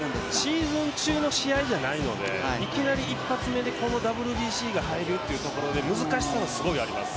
シーズン中の試合じゃないのでいきなりこの一発目でこのＷＢＣが入るというところで、難しさがあります。